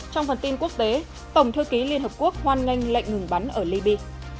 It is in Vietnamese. trong phần tin quốc tế tổng thư ký liên hợp quốc hoan nghênh lệnh ngừng bắn ở libya